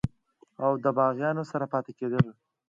او دَباغيانو سره پاتې کيدل